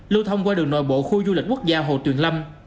lưu thông qua đường nội bộ khu du lịch quốc gia hồ tuyền lâm